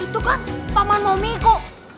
itu kan pakman momiko